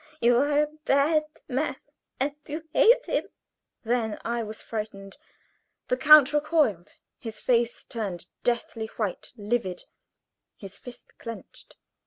You are a bad man, and you hate him." Then I was frightened. The count recoiled; his face turned deathly white livid; his fist clinched.